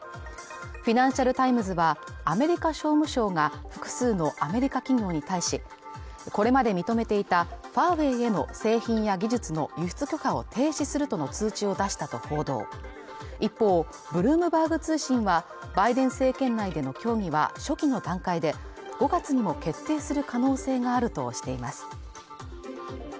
「フィナンシャル・タイムズ」はアメリカ商務省が複数のアメリカ企業に対しこれまで認めていたファーウェイの製品や技術の輸出許可を停止するとの通知を出したと報道一方ブルームバーグ通信はバイデン政権内での協議は初期の段階で５月にも決定する可能性があるとしています